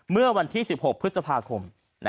เมื่อวันที่๑๖พฤษภาคม